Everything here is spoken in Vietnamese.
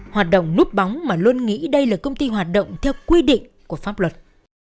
hoạt động núp bóng mà luôn nghĩ đây là công ty hoạt động theo quy định của pháp luật